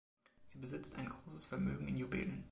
Sie besitzt ein großes Vermögen in Juwelen.